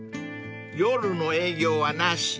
［夜の営業はなし。